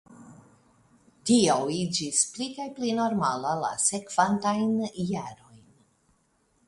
Tio iĝis pli kaj pli normala la sekvantajn jarojn.